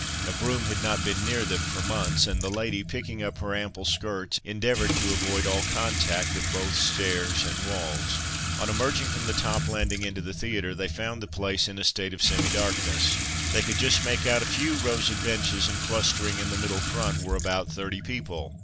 A broom had not been near them for months, and the lady, picking up her ample skirts, endeavoured to avoid all contact with both stairs and walls. On emerging from the top landing into the theatre, they found the place in a state of semi darkness. They could just make out a few rows of benches, and clustering in the middle front were about thirty people.